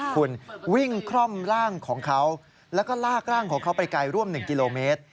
คุณวิ่งคร่อมร่างของเขาแล้วก็ลากร่างของเขาไปไกลร่วม๑กิโลเมตร